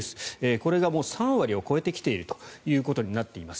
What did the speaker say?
これがもう３割を超えてきているということになっています。